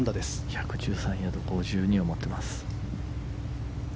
１１３ヤード５２を持っています。